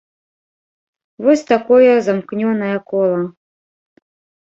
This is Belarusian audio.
Вось такое замкнёнае кола.